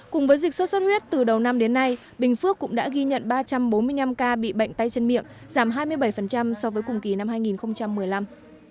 cùng với dịch sốt xuất huyết từ đầu năm đến nay bình phước cũng đã ghi nhận ba trăm bốn mươi năm ca bị bệnh tay chân miệng giảm hai mươi bảy so với cùng kỳ năm hai nghìn một mươi năm